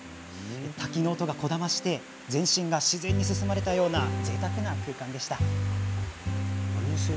滝の音がこだまして全身が自然に包まれたようなぜいたくな空間でした。